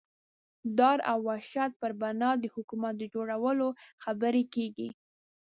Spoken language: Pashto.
ډار او وحشت پر بنا د حکومت د جوړولو خبرې کېږي.